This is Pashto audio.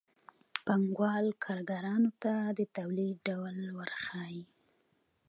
پانګوال کارګرانو ته د تولید ډول ورښيي